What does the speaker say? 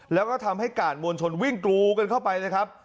แล้วก็ทำให้กาดมวลชนวิ่งกรูกันเข้าไปนะครับ